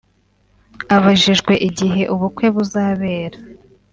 Abajijwe igihe ubukwe buzabera